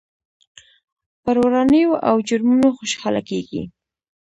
پر ورانيو او جرمونو خوشحاله کېږي.